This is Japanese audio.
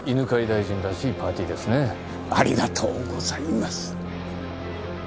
ありがとうございます。